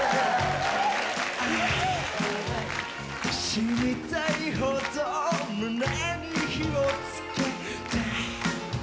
「死にたいほど胸に火をつけて」